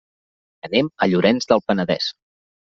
Anem a Llorenç del Penedès.